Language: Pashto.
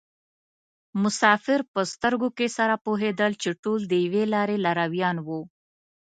مسافر په سترګو کې سره پوهېدل چې ټول د یوې لارې لارویان وو.